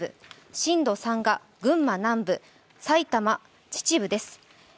震度３が群馬南部、埼玉・秩父です。